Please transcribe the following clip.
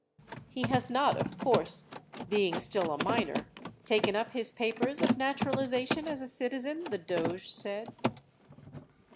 "He has not, of course, being still a minor, taken up his papers of naturalization as a citizen?" the doge said.